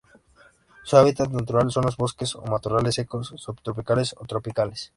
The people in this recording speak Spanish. Su hábitat natural son los bosques o matorrales secos subtropicales o tropicales.